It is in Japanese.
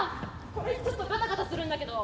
これちょっとガタガタするんだけど。